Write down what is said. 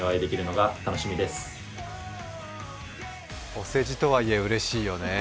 お世辞とはいえうれしいよね。